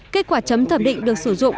kết quả chấm thẩm định được sử dụng